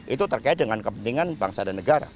itu terkait dengan kepentingan bangsa dan negara